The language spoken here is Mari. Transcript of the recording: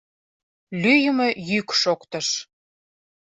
Лӱйымӧ йӱк шоктыш.